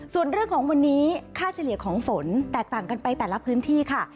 ส่วนเรื่องของวันนี้ค่าเฉลี่ยของฝนแตกต่างกันไปแต่ละพื้นที่ค่ะ